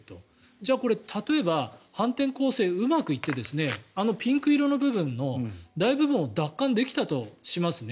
じゃあこれ例えば反転攻勢がうまくいってピンク色の部分の大部分を奪還できたとしますね。